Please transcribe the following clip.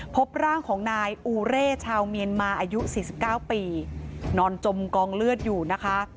พบร่างของนายอูเร่ชาวเมียนมาอายุ๔๙ปีนอนจมกองเลือดอยู่นะคะ